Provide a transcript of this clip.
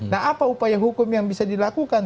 nah apa upaya hukum yang bisa dilakukan